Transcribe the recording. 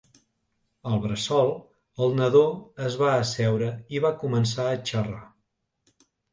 Al bressol, el nadó es va asseure i va començar a xerrar.